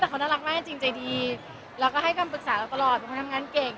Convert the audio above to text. แต่เขาน่ารักมากจริงใจดีแล้วก็ให้คำปรึกษาเราตลอดเป็นคนทำงานเก่ง